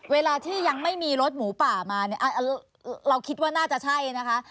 เวลาที่ยังไม่มีรถหมูป่ามาเนี่ยเราคิดว่าน่าจะใช่นะคะ